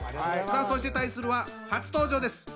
さあそして対するは初登場です